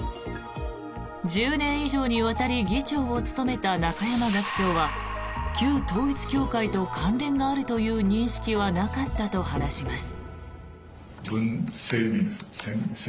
１０年以上にわたり議長を務めた中山学長は旧統一教会と関連があるという認識はなかったと話します。